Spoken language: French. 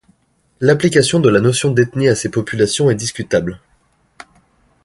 L'application de la notion d'ethnie à ces populations est discutable.